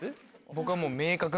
僕はもう。